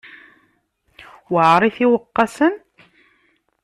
Weεrit iwqasen?